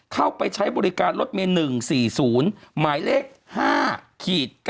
เข้าไปใช้บริการรถเมย์๑๔๐หมายเลข๕๙